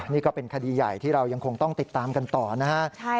นี่ก็เป็นคดีใหญ่ที่เรายังคงต้องติดตามกันต่อนะฮะ